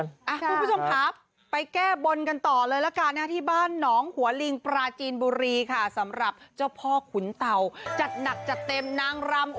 คุณผู้ชมครับไปแก้บนกันต่อเลยละกันนะที่บ้านหนองหัวลิงปราจีนบุรีค่ะสำหรับเจ้าพ่อขุนเต่าจัดหนักจัดเต็มนางรำ